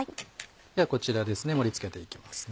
ではこちら盛り付けて行きます。